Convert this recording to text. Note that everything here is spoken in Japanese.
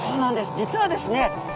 実はですね